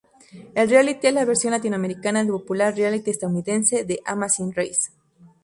Este reality es la versión latinoamericana del popular reality estadounidense The Amazing Race.